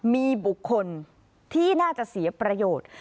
มีบุคคลที่น่าจะเสียประโยชน์